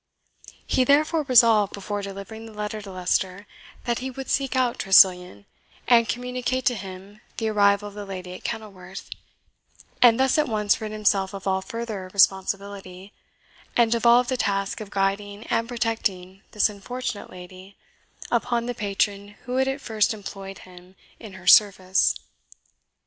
He therefore resolved, before delivering the letter to Leicester, that he would seek out Tressilian, and communicate to him the arrival of the lady at Kenilworth, and thus at once rid himself of all further responsibility, and devolve the task of guiding and protecting this unfortunate lady upon the patron who had at first employed him in her service.